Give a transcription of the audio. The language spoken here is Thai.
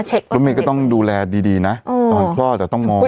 ตอนแรกก็ต้องดูแลดีนะตอนคลอดก็ต้องมองดี